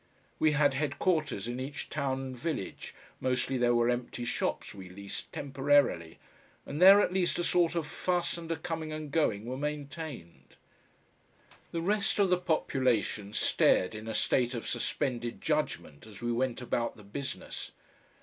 We had headquarters in each town and village, mostly there were empty shops we leased temporarily, and there at least a sort of fuss and a coming and going were maintained. The rest of the population stared in a state of suspended judgment as we went about the business.